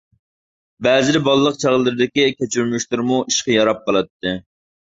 بەزىدە بالىلىق چاغلىرىدىكى كەچۈرمىشلىرىمۇ ئىشقا ياراپ قالاتتى.